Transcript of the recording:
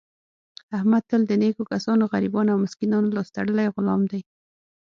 احمد تل د نېکو کسانو، غریبانو او مسکینانو لاس تړلی غلام دی.